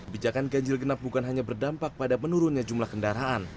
bijakan ganjil genap bukan hanya berdampak pada menurunnya jumlah kendaraan